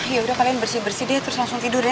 yaudah kalian bersih bersih deh terus langsung tidur ya